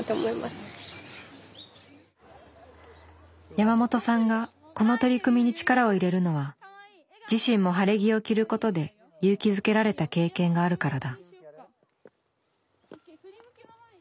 山本さんがこの取り組みに力を入れるのは自身も晴れ着を着ることで勇気づけられた経験があるからだ。